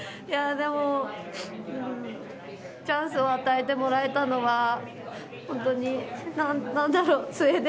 でもチャンスを与えてもらえたのは本当に何だろう